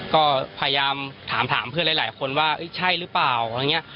ก็พยายามถามเพื่อนหลายคนว่าใช่หรือเปล่าอะไรอย่างนี้